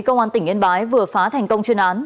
công an tỉnh yên bái vừa phá thành công chuyên án